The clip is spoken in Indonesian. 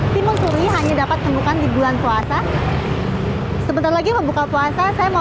timun suri hanya dapat temukan di bulan puasa sebentar lagi mau buka puasa saya mau